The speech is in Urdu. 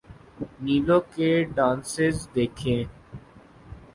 نیلو کے ڈانسز دیکھیں۔